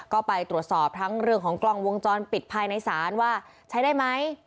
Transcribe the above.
ก็ไปตรวจสอบทั้งเรื่องของกล้องวงจรปิดภายในศาลว่าใช้ได้ไหม